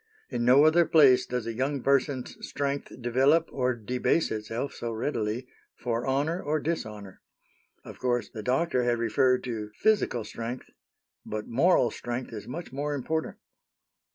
In no other place does a young person's strength develop or debase itself so readily, for honor or dishonor. Of course the doctor had referred to physical strength; but moral strength is much more important.